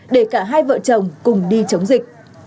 để cả hai vợ chồng cùng đi chống dịch